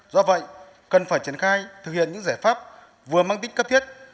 do vậy cần phải triển khai thực hiện những giải pháp vừa mang tính cấp thiết